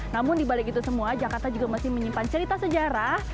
namun dibalik itu semua jakarta juga masih menyimpan cerita sejarah